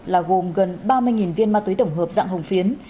là gồm gần ba mươi viên ma túy tổng hợp dạng hồng phiến